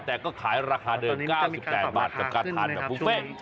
แต่ก็ขายราคาเดิม๙๘บาทกับการทานแบบบุฟเฟ่